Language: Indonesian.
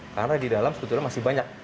karena di dalam sebetulnya masih banyak